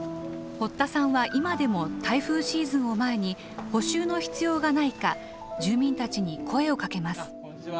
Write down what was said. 堀田さんは今でも台風シーズンを前に補修の必要がないか住民たちに声をかけます。